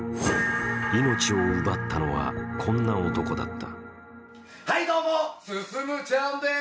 命を奪ったのはこんな男だった。